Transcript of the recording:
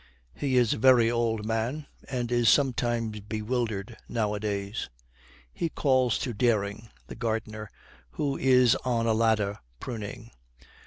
He is a very old man, and is sometimes bewildered nowadays. He calls to Dering, the gardener, who is on a ladder, pruning.